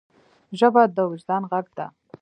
ژبه د وجدان ږغ ده.